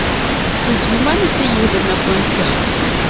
ti Duuma ni ti yihi bɛ napɔnchahi.